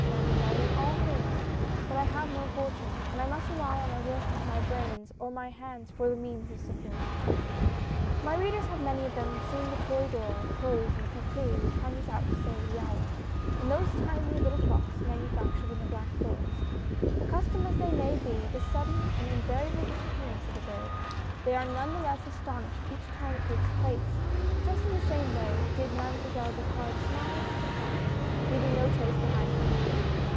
Mademoiselle, in all things, but I have no fortune, and I must rely on the work of my brains or my hands, for the means of support." MADEMOISELLE BESLIN. 73 My readers have many of them seen the toy door close on the cuckoo who comes out to say the hour, in those little clocks manufactured in the Black Forest. Accustomed as they may be at the sudden and invari able disappearance of the bird, they are none the less astonished each time it takes place — just in the same way did Mademoiselle Bocard smile and depart, leaving no trace behind her.